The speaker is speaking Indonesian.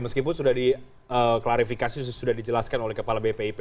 meskipun sudah diklarifikasi sudah dijelaskan oleh kepala bpip